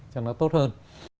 cho nó tốt hơn